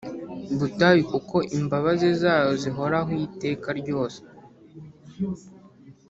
Butayu kuko imbabazi zayo zihoraho iteka ryose